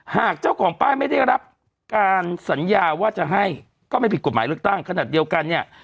หากเจ้าของป้ายไม่ได้รับการสัญญาว่าจะให้ก็ไม่ผิดกฎหมายเลือกตั้งขนาดเดียวกันเนี่ย